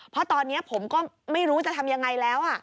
เพราะตอนนี้ผมก็ไม่รู้จะทำยังไงแล้ว